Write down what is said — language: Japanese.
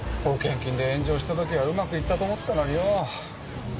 保険金で炎上した時はうまく行ったと思ったのによぉ。